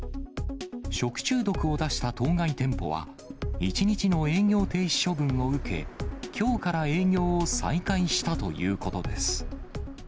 食中毒を出した当該店舗は、１日の営業停止処分を受け、きょうから営業を再開したということです。